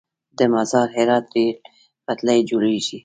د مزار - هرات ریل پټلۍ جوړیږي؟